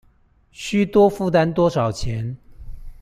須多負擔多少錢